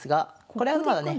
これはまだね。